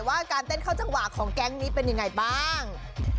ว่าการเต้นเข้าจังหวะของแก๊งนี้เป็นยังไงบ้าง